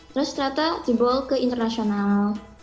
terus ternyata jebol ke internasional